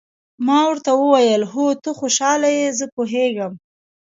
ما ورته وویل: هو، ته خوشاله یې، زه پوهېږم.